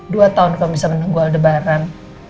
dua tahun kamu bisa menunggu aldebaran